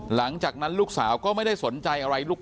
เพราะไม่เคยถามลูกสาวนะว่าไปทำธุรกิจแบบไหนอะไรยังไง